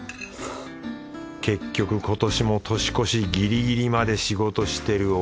結局今年も年越しギリギリまで仕事してる俺。